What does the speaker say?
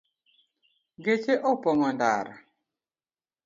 Geche opong’o ndara